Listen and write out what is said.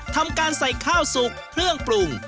ทำการใส่ข้าวสุกเครื่องปรุง